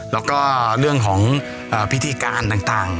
แล้วก็เรื่องของพิธีการต่าง